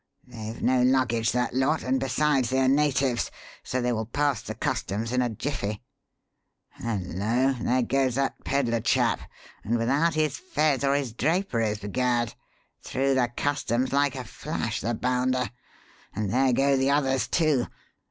They've no luggage, that lot, and, besides, they are natives, so they will pass the customs in a jiffy. Hullo! there goes that pedler chap and without his fez or his draperies, b'gad! Through the customs like a flash, the bounder! And there go the others, too.